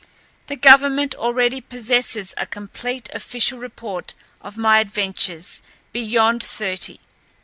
The government already possesses a complete official report of my adventures beyond thirty.